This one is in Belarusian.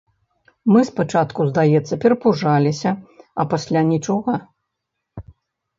Мы спачатку, здаецца, перапужаліся, а пасля нічога.